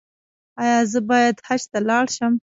ایا زه باید حج ته لاړ شم؟